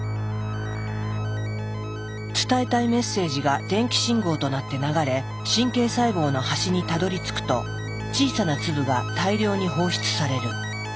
伝えたいメッセージが電気信号となって流れ神経細胞の端にたどりつくと小さな粒が大量に放出される。